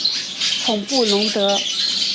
孔布龙德。